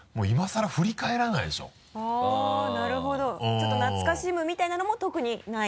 ちょっと懐かしむみたいなのも特にない？